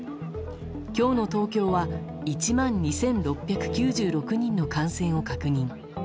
今日の東京は１万２６９６人の感染を確認。